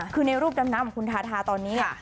คือในรูปดำน้ำของคุณทาทาตอนนี้เนี่ย